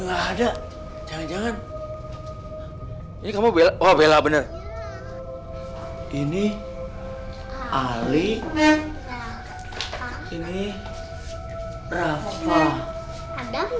ada jangan jangan ini kamu bela bela bener ini ali ini rafa adam